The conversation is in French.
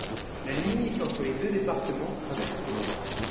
La limite entre les deux département traverse l'étang.